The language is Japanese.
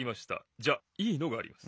じゃいいのがあります。